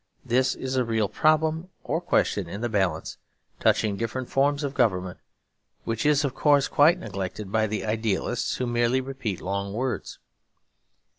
This is a real problem, or question in the balance, touching different forms of government; which is, of course, quite neglected by the idealists who merely repeat long words.